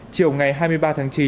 chiều ngày hai mươi ba tháng chín